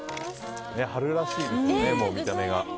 春らしいですよね、見た目が。